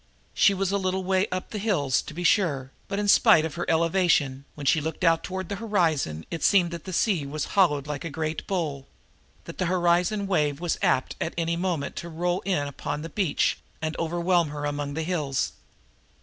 She was a little way up among the hills, to be sure, but, in spite of her elevation, when she looked out toward the horizon it seemed that the sea was hollowed like a great bowl that the horizon wave was apt at any moment to roll in upon the beach and overwhelm her among the hills.